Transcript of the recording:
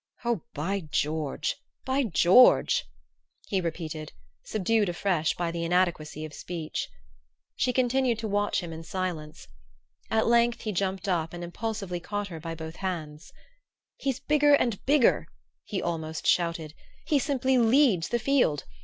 "Oh, by George by George," he repeated, subdued afresh by the inadequacy of speech. She continued to watch him in silence. At length he jumped up and impulsively caught her by both hands. "He's bigger and bigger!" he almost shouted. "He simply leads the field!